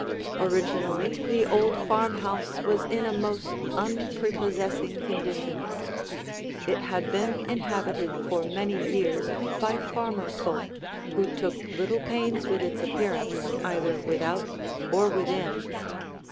Originally the old farmhouse was in a most unprepossessing condition. It had been inhabited for many years by farmer folk who took little pains with its appearance either without or within.